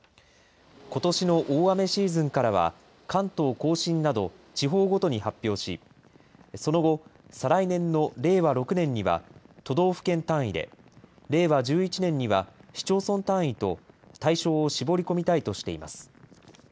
ことしの大雨シーズンからは、関東甲信など、地方ごとに発表し、その後、再来年の令和６年には都道府県単位で、令和１１年には市町村単位と、対象を絞り込みたいとしています。